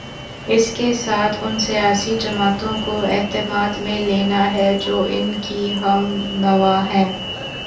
اس کے ساتھ ان سیاسی جماعتوں کو اعتماد میں لینا ہے جو ان کی ہم نوا ہیں۔